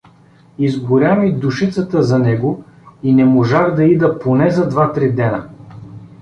Изгоря ми душицата за него и не можах да ида поне за два-три дена.